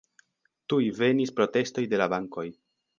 Tuj venis protestoj de la bankoj.